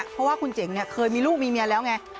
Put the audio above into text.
เพราะว่าคุณเจ๋งเนี่ยเคยมีลูกมีเมียแล้วไง